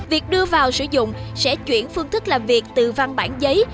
việc đưa vào sử dụng sẽ chuyển phương thức làm việc từ văn bản giấy